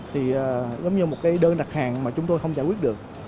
thì giống như một cái đơn đặt hàng mà chúng tôi không giải quyết được